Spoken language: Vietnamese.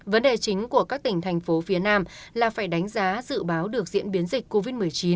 vấn đề chính của các tỉnh thành phố phía nam là phải đánh giá dự báo được diễn biến dịch covid một mươi chín